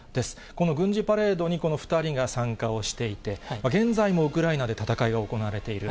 この軍事パレードに、この２人が参加をしていて、現在もウクライナで戦いが行われている。